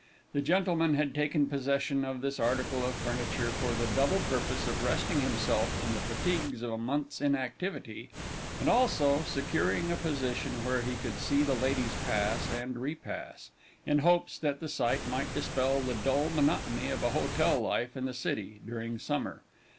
The gentleman had taken possession of this article of furniture for the double purpose of resting himself from the fatigues of a month's inactivity, and also securing a position where he could see the ladies pass and repass, in hopes that the sight might dispel the dull monotony of a hotel life in the city, during summer.